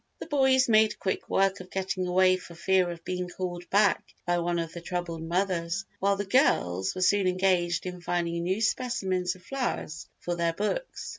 The boys made quick work of getting away for fear of being called back by one of the troubled mothers while the girls were soon engaged in finding new specimens of flowers for their books.